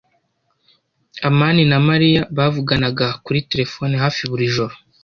amani na Mariya bavuganaga kuri terefone hafi buri joro.